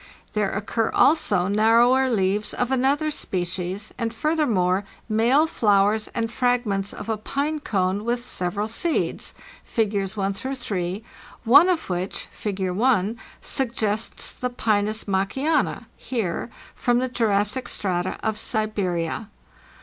There occur also narrower leaves of another species, and furthermore male flowers and fragments of a pine cone" with several seeds (Figs. 1 3), one of which (Fig. 1) suggests the Pinus Maakiana (Heer) from the Jurassic strata of Siberia.